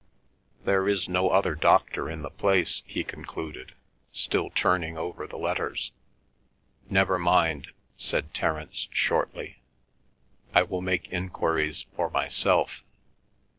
"There is no other doctor in the place," he concluded, still turning over the letters. "Never mind," said Terence shortly. "I will make enquiries for myself."